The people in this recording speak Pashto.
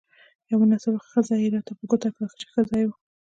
یوه مناسبه خزه يې راته په ګوته کړه، چې ښه ځای وو.